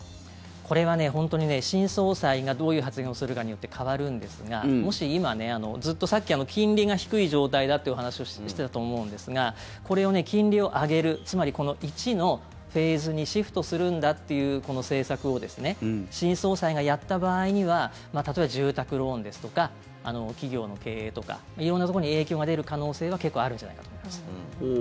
これはね、本当に新総裁がどういう発言をするかによって変わるんですがもし今、ずっとさっき金利が低い状態だっていう話をしてたと思うんですがこれを、金利を上げるつまり、この１のフェーズにシフトするんだっていうこの政策を新総裁がやった場合には例えば住宅ローンですとか企業の経営とか色んなところに影響が出る可能性は結構あるんじゃないかと思います。